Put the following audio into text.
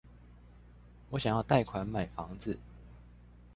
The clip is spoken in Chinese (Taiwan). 我想要貸款買房子